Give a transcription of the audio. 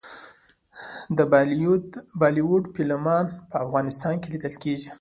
د بالیووډ فلمونه په افغانستان کې لیدل کیږي.